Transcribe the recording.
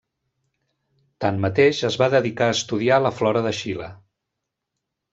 Tanmateix es va dedicar a estudiar la flora de Xile.